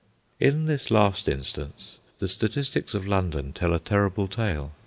In this last instance, the statistics of London tell a terrible tale.